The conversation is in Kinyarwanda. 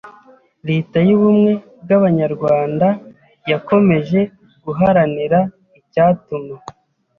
Leta y’Ubumwe bw’Abanyarwanda yakomeje guharanira icyatuma